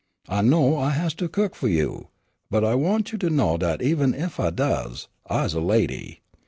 I know I has to cook fu' you, but I want you to know dat even ef I does I's a lady.